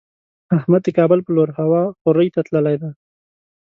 احمد د کابل په لور هوا خورۍ ته تللی دی.